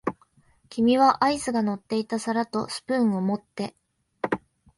君はアイスが乗っていた皿とスプーンを持って、